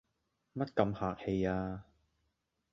乜咁客氣呀？